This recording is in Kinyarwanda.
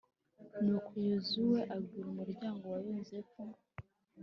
nuko yozuwe abwira umuryango wa yozefu